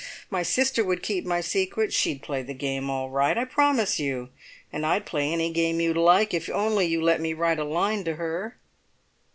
My sister would keep my secret; she'd play the game all right, I promise you! And I'd play any game you like if only you let me write a line to her!"